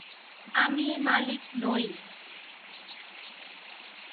আমি মালিক নই।